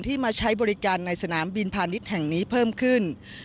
มาใช้บริการในสนามบินพาณิชย์แห่งนี้เพิ่มขึ้น